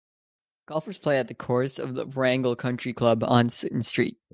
Golfers play at the course of the Warragul Country Club on Sutton Street.